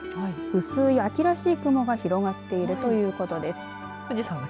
薄い秋らしい雲が広がっているということです。